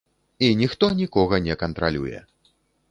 І ніхто нікога не кантралюе.